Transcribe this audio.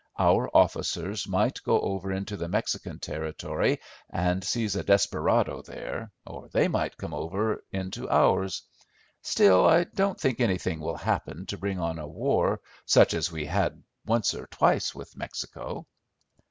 Our officers might go over into the Mexican territory and seize a desperado there, or they might come over into ours. Still, I don't think anything will happen to bring on a war such as we had once or twice with Mexico."